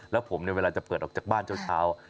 แล้วผมเนี่ยเวลาจะเปิดออกจากบ้านเช้า